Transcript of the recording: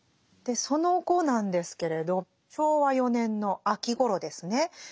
でその後なんですけれど昭和４年の秋ごろですね。